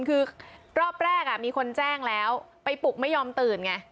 คือรอบแรกมีคนแจ้งแล้วไปปลุกไม่ยอมตื่นไง